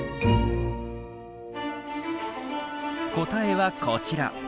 答えはこちら。